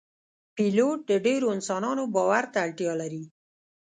پیلوټ د ډیرو انسانانو باور ته اړتیا لري.